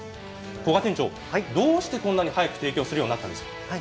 古賀店長、どうしてこんなに早く提供するようになったんですか？